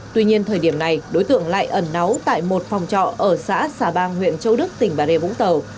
tuy nhiên thời điểm này đối tượng lại ẩn náu tại một phòng trọ ở xã xà bang huyện châu đức tỉnh bà rệ vũng tàu